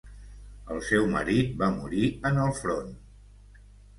El seu marit va morir en el front.